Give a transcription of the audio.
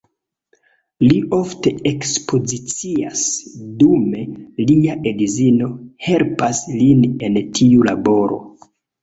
Li ofte ekspozicias, dume lia edzino helpas lin en tiu laboro.